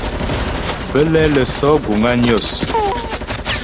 Bə́lɛ lə́ sɔ̌ guŋ á Nyos.